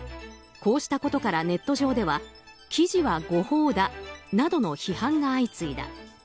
こうしたことからネット上では記事は誤報だなどと批判が相次いだ。